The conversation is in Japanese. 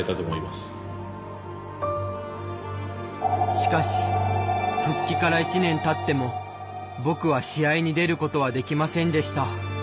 しかし復帰から１年たっても僕は試合に出ることはできませんでした。